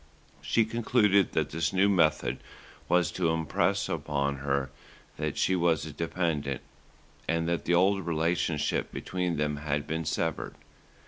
She concluded that this new method was to impress upon her that she was a dependent, and that the old relationship between them had been severed.